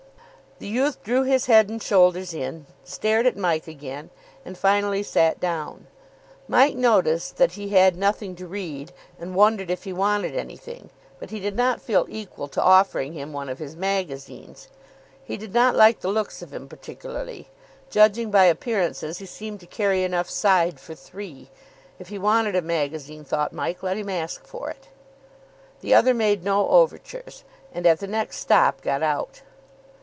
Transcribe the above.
The youth drew his head and shoulders in, stared at Mike again, and finally sat down. Mike noticed that he had nothing to read, and wondered if he wanted anything; but he did not feel equal to offering him one of his magazines. He did not like the looks of him particularly. Judging by appearances, he seemed to carry enough side for three. If he wanted a magazine, thought Mike, let him ask for it. The other made no overtures, and at the next stop got out.